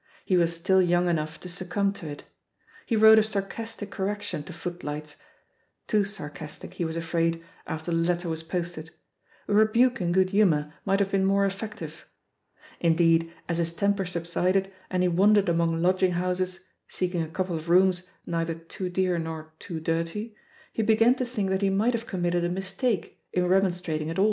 He was still yoimg enough to succumb to it. He Wrote a sarcastic correction to ^'Footlights'* — ^too earcastic, he was afraid, after the letter was posted. A rebuke in good hiunour might have been more effective. Indeed, as his temper sub sided and he wandered among lodging houses^ seeking a couple of rooms neither too dear nor too dirty, he began to think that he might have committed a mistake in remonstrating at aU.